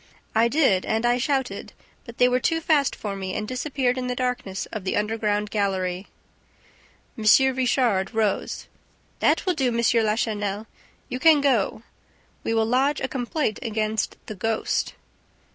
"I did and I shouted, but they were too fast for me and disappeared in the darkness of the underground gallery." M. Richard rose. "That will do, M. Lachenel. You can go ... We will lodge a complaint against THE GHOST."